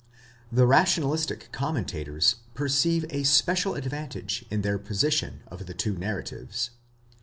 , The rationalistic commentators perceive a special advantage in their posi tion of the two narratives.